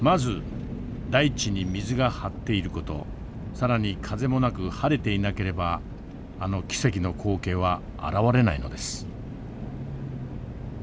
更に風もなく晴れていなければあの奇跡の光景は現れないのです。